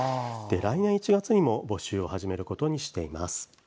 来年１月にも募集を始めることにしています。